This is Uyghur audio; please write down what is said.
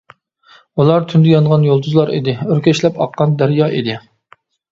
ئۇلار تۈندە يانغان يۇلتۇزلار ئىدى، ئۆركەشلەپ ئاققان دەريا ئىدى.